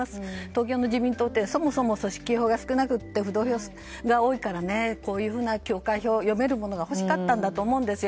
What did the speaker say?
東京の自民党ってそもそも組織票が少なくて浮動票が多いからねこういうような教会票が読めるものがほしかったと思うんです。